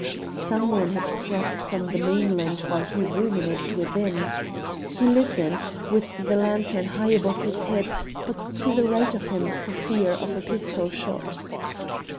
Some one had crossed from the mainland while he ruminated within. He listened, with the lantern high above his head but to the right of him for fear of a pistol shot.